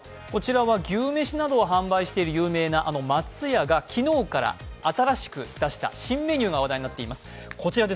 こちらは牛めしなど販売している松屋、昨日から新しく出した新メニューが話題になっています。